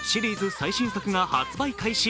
最新作が発売開始。